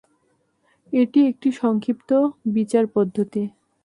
এটি একটি সংক্ষিপ্ত বিচার পদ্ধতি।